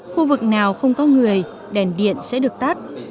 khu vực nào không có người đèn điện sẽ được tắt